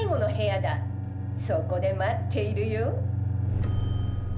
そこでまっているよ」。